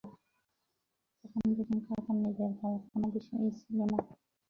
আমি যখন ডেটিং করতাম নিচের বাল কোনো বিষয়ই ছিলো না।